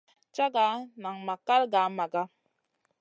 Caga nan ma kal gah Maga.